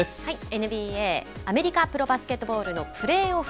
ＮＢＡ・アメリカプロバスケットボールのプレーオフ。